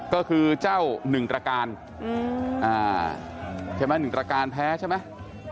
ก็คือเจ้าหนึ่งตรการอ่าใช่ไหมหนึ่งตรการแพ้ใช่ไหม